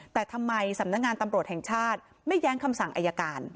แต่ทำไมสำนักงานตำรวจแห่งชาติไม่แย้งคำสั่งอายการ